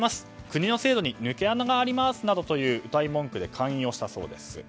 国の制度に抜け穴がありますなどといううたい文句で勧誘したそうです。